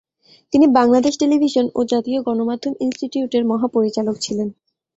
তিনি বাংলাদেশ টেলিভিশন ও জাতীয় গণমাধ্যম ইনস্টিটিউটের মহাপরিচালক ছিলেন।